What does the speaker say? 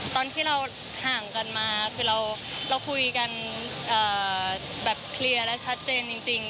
ตอนที่เราห่างกันมาคือเราคุยกันแบบเคลียร์และชัดเจนจริง